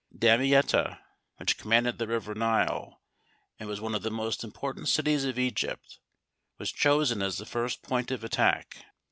Damietta, which commanded the river Nile, and was one of the most important cities of Egypt, was chosen as the first point of attack.